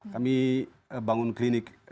kami bangun klinik